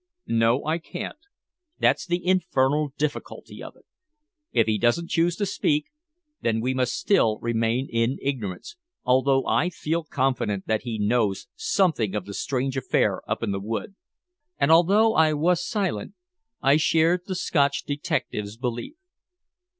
"No, I can't. That's the infernal difficulty of it. If he don't choose to speak, then we must still remain in ignorance, although I feel confident that he knows something of the strange affair up in the wood." And although I was silent, I shared the Scotch detective's belief.